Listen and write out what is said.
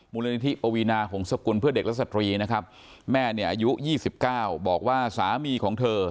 มูลเรนกริก